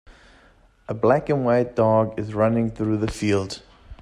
A black and white dog is running through the field.